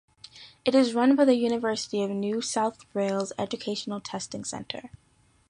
It is run by the University of New South Wales Educational Testing Centre.